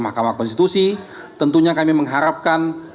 mahkamah konstitusi tentunya kami mengharapkan